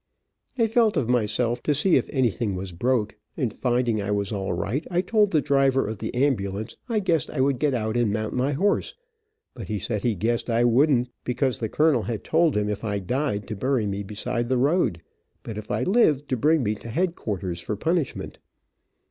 I felt of myself to see if anything was broke, and finding I was all right I told the driver of the ambulance I guessed I would get out and mount my horse, but he said he guessed I wouldn t, because the colonel had told him if I died to bury me beside the road, but if I lived to bring me to headquarters for punishment.